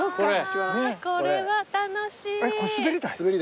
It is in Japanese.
これは楽しい。